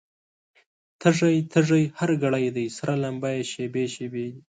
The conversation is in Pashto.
تږی، تږی هر ګړی دی، سره لمبه شېبې شېبې دي